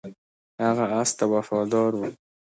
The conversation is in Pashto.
هغه اس ته وفادار و.